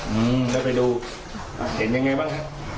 อืมแล้วไปดูอ่าเห็นยังไงบ้างฮะ